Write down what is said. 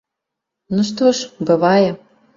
Ну, што ж, бывае.